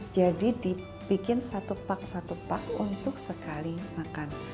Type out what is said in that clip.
jadi dibikin satu pak satu pak untuk sekali makan